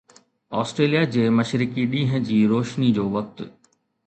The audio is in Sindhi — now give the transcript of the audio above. آسٽريليا جي مشرقي ڏينهن جي روشني جو وقت